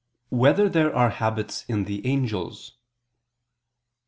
6] Whether There Are Habits in the Angels?